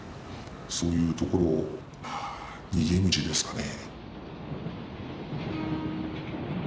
そういうところ逃げ道ですかね。